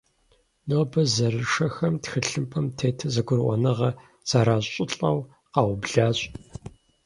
Нобэ зэрышэхэм тхылъымпӏэм тету зэгурыӏуэныгъэ зэращӏылӏэу къаублащ.